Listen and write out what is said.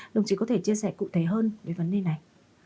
đồng chí có thể chia sẻ cụ thể hơn về vấn đề này